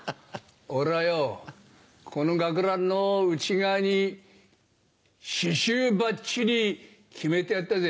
俺はよこの学ランの内側に刺しゅうばっちり決めてやったぜ。